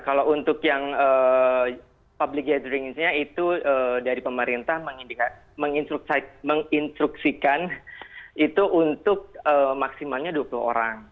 kalau untuk yang public gathering nya itu dari pemerintah menginstruksikan itu untuk maksimalnya dua puluh orang